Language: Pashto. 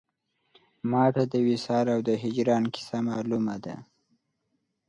ما ته د وصال او د هجران کیسه مالومه ده